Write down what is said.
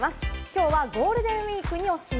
今日はゴールデンウイークにおすすめ。